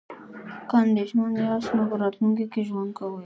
که اندیښمن یاست نو په راتلونکي کې ژوند کوئ.